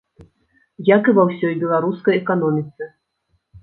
Як і ва ўсёй беларускай эканоміцы.